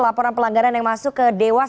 laporan pelanggaran yang masuk ke dewas